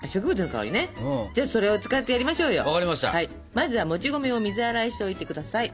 まずはもち米を水洗いしておいてください。